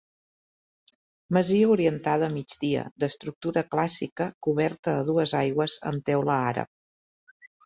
Masia orientada a migdia d'estructura clàssica coberta a dues aigües amb teula àrab.